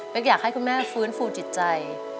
เป็นอยากให้คุณแม่ฟื้นฟูจิตใจ